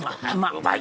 うまい！